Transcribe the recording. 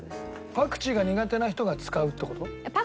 パクチーが苦手な人が使うって事？